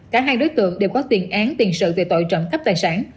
cả hai đối tượng đều có tiền án tiền sự về tội trọng cấp tài sản